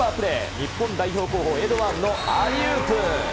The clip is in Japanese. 日本代表候補、エドワーズのアリウープ。